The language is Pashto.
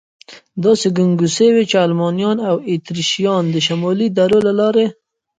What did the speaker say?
داسې ګنګوسې وې، چې المانیان او اتریشیان د شمالي درو له لارې.